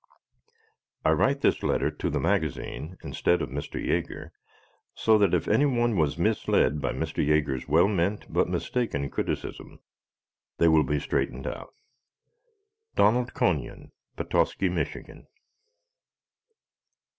I write this letter to the magazine, instead of Mr. Jaeger, so that if any one was misled by Mr. Jaeger's well meant but mistaken criticism they will be straightened out. Donald Coneyon, Petoskey, Michigan.